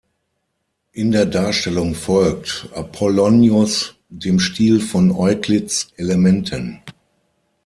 In der Darstellung folgt Apollonios dem Stil von Euklids Elementen.